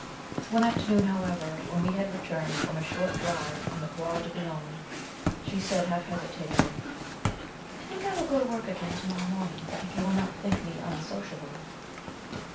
One afternoon, however, when we had returned from a short drive in the Bois de Boulogne, she said half hesitatingly: "I think I will go to work again to morrow morning, if you will not think me unsociable."